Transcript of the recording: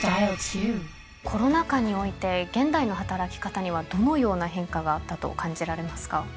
コロナ禍において現代の働き方にはどのような変化があったと感じられますか？